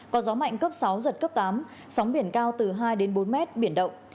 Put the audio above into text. có gió mạnh cấp sáu giật cấp tám sóng biển cao từ hai đến bốn mét biển động